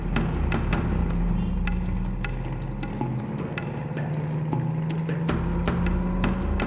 terus dia gitu karena lo tau nyokapnya